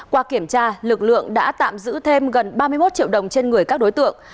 qua kiểm tra lực lượng đã tạm giữ thêm gần ba mươi một triệu đồng trên người các đối tượng